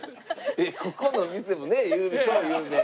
ここの店もね有名超有名。